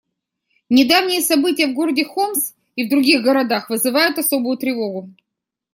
Недавние события в городе Хомс и в других городах вызывают особую тревогу.